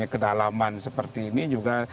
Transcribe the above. kedalaman seperti ini juga